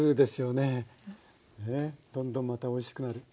ねえどんどんまたおいしくなる。